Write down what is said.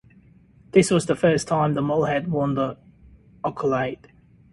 This was the first time the mall had won the accolade.